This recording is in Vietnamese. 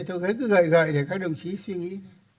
thôi cứ gợi gợi để các đồng chí suy nghĩ